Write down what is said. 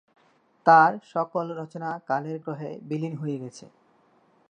তার সকল রচনা কালের গহ্বরে বিলীন হয়ে গেছে।